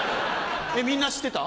みんな知ってた？